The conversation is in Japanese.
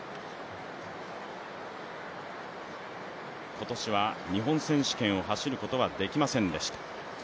今年は日本選手権を走ることはできませんでした。